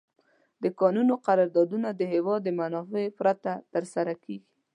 د کانونو قراردادونه د هېواد د منافعو پرته تر سره کیږي.